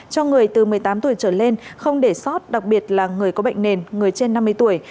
cho người từ một mươi tám tuổi trở lên không để sót đặc biệt là người có bệnh nền người trên năm mươi tuổi